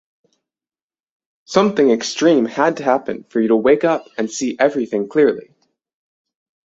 Something extreme had to happen for you to wake up and see everything clearly.